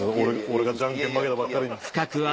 俺がじゃんけん負けたばっかりに。